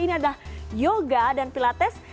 ini adalah yoga dan pilates